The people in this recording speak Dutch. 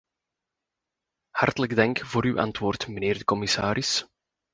Hartelijk dank voor uw antwoord, mijnheer de commissaris.